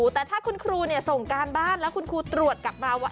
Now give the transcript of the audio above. แต่ถ้าคุณครูส่งการบ้านแล้วคุณครูตรวจกลับมาว่า